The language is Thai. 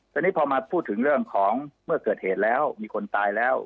ตอนนี้พอมาพูดถึงเรื่องของเมื่อเกิดเหตุแล้วมีคนตายแล้ว